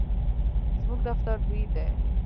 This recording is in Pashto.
زموږ دفتر لوی دی